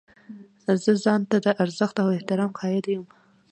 زه ځان ته د ارزښت او احترام قایل یم.